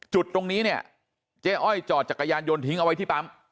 จุดตรงนี้เนี่ยเจ๊อ้อยจอดจักรยานยนต์ทิ้งเอาไว้ที่ปั๊ม